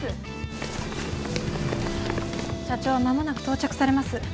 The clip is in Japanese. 社長は間もなく到着されます。